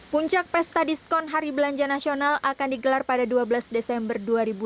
puncak pesta diskon hari belanja nasional akan digelar pada dua belas desember dua ribu dua puluh